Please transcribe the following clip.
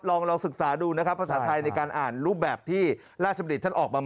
ลองสึกษาดูภาษาไทยในการอ่านรูปแบบที่ราชบัณฑิตท่านออกมาใหม่